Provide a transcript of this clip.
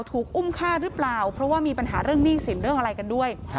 ถูกอุ้มฆ่าหรือเปล่าเพราะว่ามีปัญหาเรื่องหนี้สินเรื่องอะไรกันด้วย